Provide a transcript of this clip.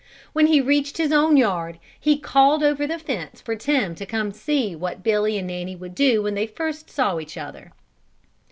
When he reached his own yard, he called over the fence for Tim to come and see what Billy and Nanny would do when they first saw each other.